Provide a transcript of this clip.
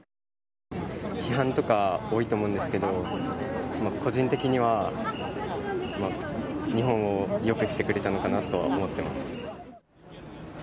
批判とか多いと思うんですけど、個人的には日本をよくしてくれたのかなとは思ってます。